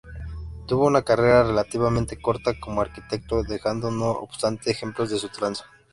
Tuvo una carrera relativamente corta como arquitecto, dejando no obstante ejemplos de su traza.